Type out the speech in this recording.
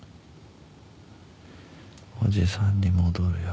おじさんに戻るよ。